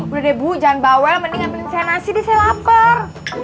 udah deh bu jangan bawa mendingan saya nasi deh saya lapar